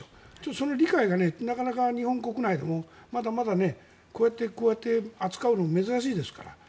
その理解がなかなか日本国内でもまだまだねこうやって扱うのも珍しいですから。